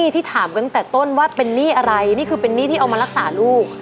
ที่ถามกันตั้งแต่ต้นว่าเป็นหนี้อะไรนี่คือเป็นหนี้ที่เอามารักษาลูก